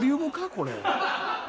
これ。